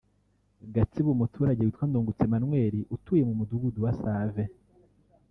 Gatsibo - Umuturage witwa Ndungutse Emmanuel utuye mu Mudugudu wa Save